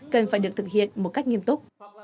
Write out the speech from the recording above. cần phải được thực hiện một cách nghiêm túc